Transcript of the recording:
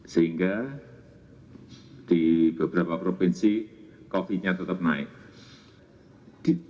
sehingga di beberapa provinsi covid nya tetap naik